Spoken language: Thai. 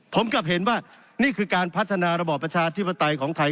ผมกลับเห็นว่านี่คือการพัฒนาระบอบประชาธิปไตยของไทย